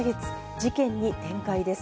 事件に展開です。